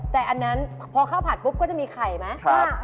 แต่อันนั้นพอข้าวผัดปุ๊บก็จะมีไข่ไหม